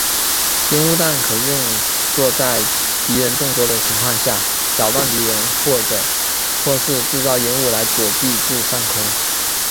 烟雾弹可用作在敌人众多的情况下扰乱敌人或是制造烟雾来躲避至上空。